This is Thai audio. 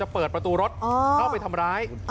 เปิดประตูรถเข้าไปทำร้าย